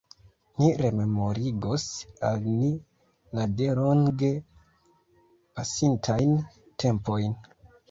Ni rememorigos al ni la de longe pasintajn tempojn.